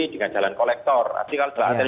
dengan jalan kolektor artinya kalau jalan